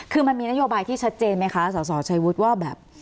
คือมันมีนโยบายที่ชัดเจนไหมคะสสชัยวุฒิว่าแบบ